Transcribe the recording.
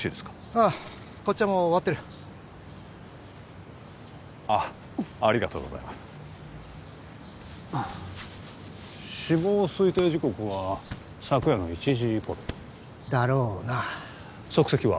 ああこっちはもう終わってるあっありがとうございます死亡推定時刻は昨夜の１時頃だろうな足跡は？